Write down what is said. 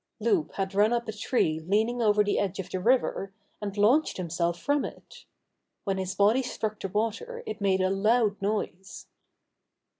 Loup had run up a tree leaning over the edge of the river, and launched himself from it. When his body struck the water it made a loud noise.